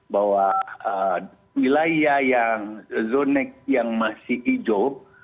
bahwa wilayah yang zonek yang masih hijau